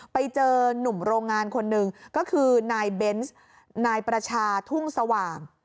ไปเจอนุ่มโรงงานคนหนึ่งก็คือนายเบนส์นายประชาทุ่งสว่าง